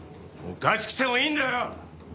おかしくてもいいんだよ！